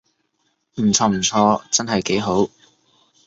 唔錯唔錯，真係幾好